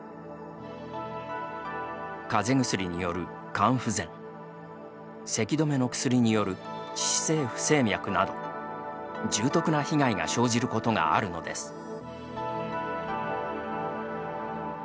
かぜ薬による肝不全せき止めの薬による致死性不整脈など重篤な被害が生じることがあるのです。